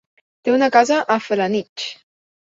Té una casa a Felanitx.